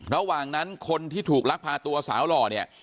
ระหว่างนั้นคนที่ถูกลักพาตัวสาวหล่อเนี่ย